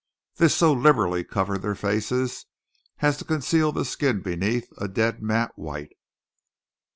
This so liberally covered their faces as to conceal the skin beneath a dead mat white.